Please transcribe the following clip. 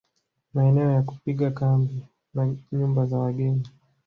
Maeneo ya kupiga kambi na nyumba za wageni